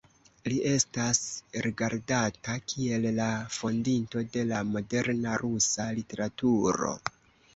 Li estas rigardata kiel la fondinto de la moderna rusa literaturo.